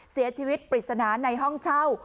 เสียชีวิตปริศนาในห้องเช่า